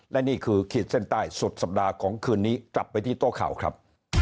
และนี่คือขีดเส้นใต้สุดสัปดาห์ของคืนนี้กลับไปที่โต๊ะข่าวครับ